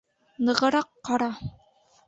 Нығыраҡ ҡара.